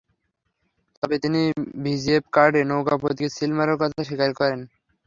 তবে তিনি ভিজিএফ কার্ডে নৌকা প্রতীকের সিল মারার কথা স্বীকার করেন।